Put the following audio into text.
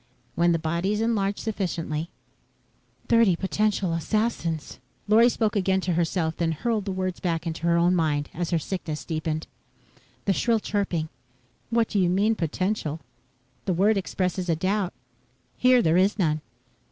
When the bodies enlarge sufficiently ..." "Thirty potential assassins...." Lorry spoke again to herself, then hurled the words back into her own mind as her sickness deepened. The shrill chirping: "What do you mean, potential? The word expresses a doubt. Here there is none."